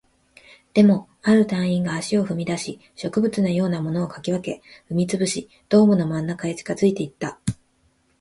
でも、ある隊員が足を踏み出し、植物のようなものを掻き分け、踏み潰し、ドームの真ん中へと近づいていった